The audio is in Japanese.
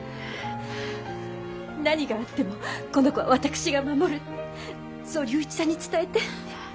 何があってもこの子は私が守るってそう龍一さんに伝えて。